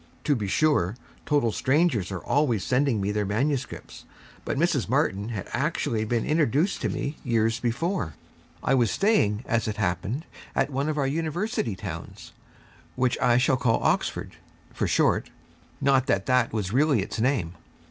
To be sure, total strangers are always sending me their manuscripts, but Mrs. Martin had actually been introduced to me years before. I was staying, as it happened, at one of our university towns, which I shall call Oxford, for short not that that was really its name.